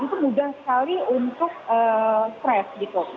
itu mudah sekali untuk stres gitu